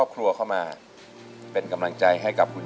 แต่เงินมีไหม